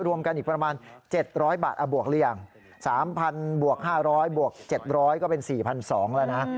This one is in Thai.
รวมกันอีกประมาณ๗๐๐บาทบวกเรียง๓๐๐๐๕๐๐๗๐๐ก็เป็น๔๒๐๐บาทแล้วนะ